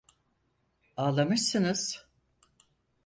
Ağlamışsınız!